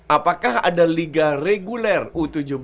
apakah ada liga reguler u tujuh belas